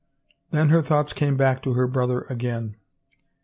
Then her thoughts came back to her brother again.